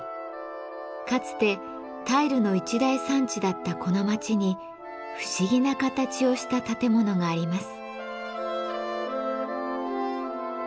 かつてタイルの一大産地だったこの町に不思議な形をした建物があります。